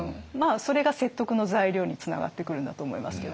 それが説得の材料につながってくるんだと思いますけどね。